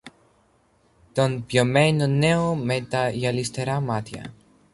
τον πιωμένο νέο με τα γυαλιστερά μάτια